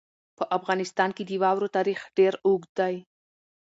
په افغانستان کې د واورو تاریخ ډېر اوږد دی.